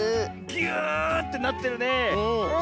ぎゅってなってるねえ。